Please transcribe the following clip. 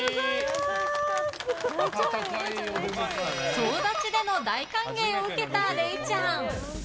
総立ちでの大歓迎を受けたれいちゃん。